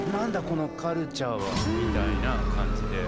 このカルチャーは」みたいな感じで。